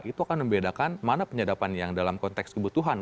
itu akan membedakan mana penyadapan yang dalam konteks kebutuhan